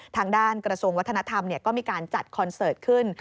ทางด้านกระทรวงวัฒนธรรมก็มีการจัดคอนเสิร์ตขึ้น